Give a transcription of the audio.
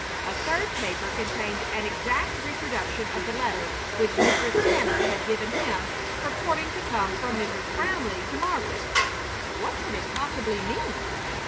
A third paper contained an exact reproduction of the letter which Mrs. Tanner had given him purporting to come from Mrs. Brownleigh to Margaret. What could it possibly mean?